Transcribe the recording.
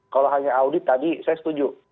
kalau hanya audit tadi saya setuju